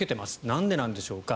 なんでなんでしょうか。